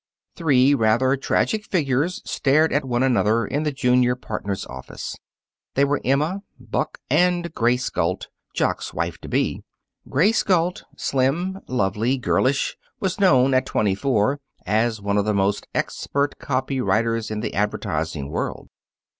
Three rather tragic figures stared at one another in the junior partner's office. They were Emma, Buck, and Grace Galt, Jock's wife to be. Grace Galt, slim, lovely, girlish, was known, at twenty four, as one of the most expert copy writers in the advertising world.